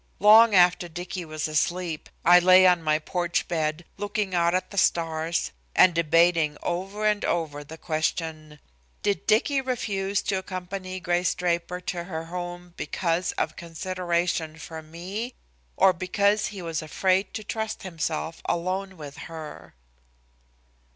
Long after Dicky was asleep, I lay on my porch bed looking out at the stars and debating over and over the question: "Did Dicky refuse to accompany Grace Draper to her home because of consideration for me, or because he was afraid to trust himself alone with her?"